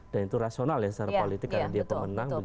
dan itu rasional ya secara politik karena dia pemenang begitu